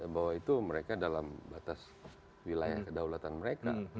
bahwa itu mereka dalam batas wilayah kedaulatan mereka